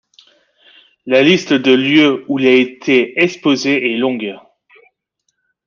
La liste de lieux où il a été exposé est longue.